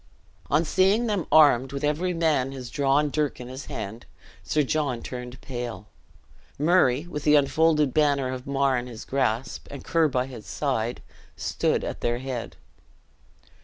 On seeing them armed, with every man his drawn dirk in his hand, Sir John turned pale. Murray, with the unfolded banner of Mar in his grasp, and Ker by his side, stood at their head.